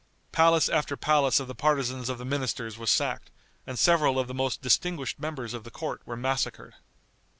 Palace after palace of the partisans of the ministers was sacked, and several of the most distinguished members of the court were massacred.